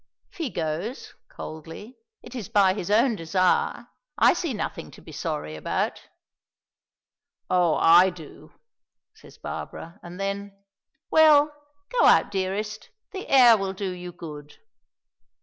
If he goes" coldly "it is by his own desire. I see nothing to be sorry about." "Oh, I do," says Barbara. And then, "Well, go out, dearest. The air will do you good."